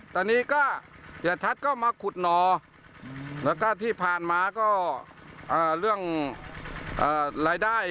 ตอนนี้ก็เสียชัดก็มาขุดหน่อแล้วก็ที่ผ่านมาก็เรื่องรายได้